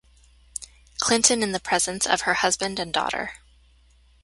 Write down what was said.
Clinton in the presence of her husband and daughter.